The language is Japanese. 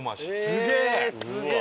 すげえ！